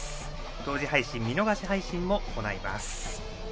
同時配信、見逃し配信も行います。